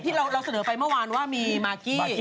เราเสนอไปเมื่อวานว่ามีมากกี้